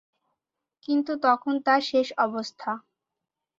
কিন্তু তখন তাঁর শেষ অবস্থা।